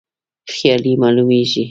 خیالي معلومیږي.